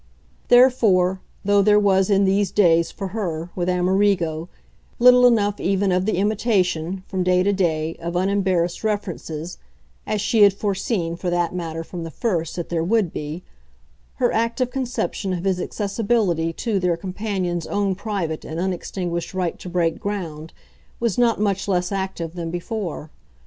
Therefore, though there was in these days, for her, with Amerigo, little enough even of the imitation, from day to day, of unembarrassed references as she had foreseen, for that matter, from the first, that there would be her active conception of his accessibility to their companion's own private and unextinguished right to break ground was not much less active than before.